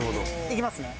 いきますね。